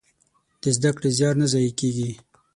د زده کړې زيار نه ضايع کېږي.